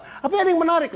tapi ada yang menarik